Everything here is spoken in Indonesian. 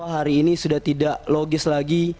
hari ini sudah tidak logis lagi